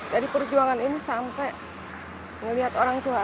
dari perjuangan ini sampai melihat orang tua saya